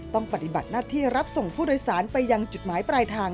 ปฏิบัติหน้าที่รับส่งผู้โดยสารไปยังจุดหมายปลายทาง